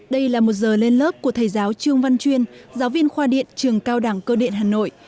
đây là một giờ lên lớp của thầy giáo trương văn chuyên giáo viên khoa điện trường cao đẳng cơ điện hà nội